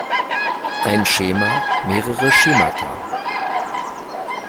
Ein Schema, mehrere Schemata.